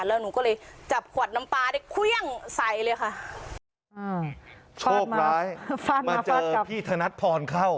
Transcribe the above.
แล้วหนูก็เลยจับขวดน้ำปลาได้เครื่องใส่เลยค่ะอืมฟาดไม้ฟาดมาเจอพี่ธนัดพรเข้า